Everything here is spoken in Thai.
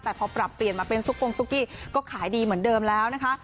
แต่พอปรับเปลี่ยนมาเป็นซุปกงซุกี้ก็ขายดีเหมือนเดิมแล้วนะคะ